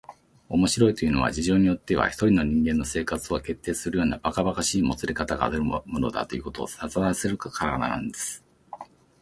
「面白いというのは、事情によっては一人の人間の生活を決定するようなばかばかしいもつれかたがあるものだ、ということをさとらせられるからなんです」